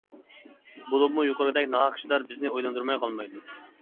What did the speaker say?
بولۇپمۇ يۇقىرىقىدەك ناھەق ئىشلار بىزنى ئويلاندۇرماي قالمايدۇ!